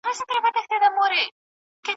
نړۍ د خصوصي سکتور په فکر جوړه ده.